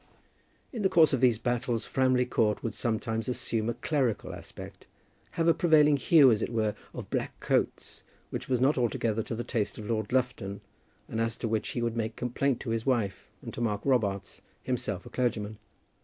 In the course of these battles Framley Court would sometimes assume a clerical aspect, have a prevailing hue, as it were, of black coats, which was not altogether to the taste of Lord Lufton, and as to which he would make complaint to his wife, and to Mark Robarts, himself a clergyman.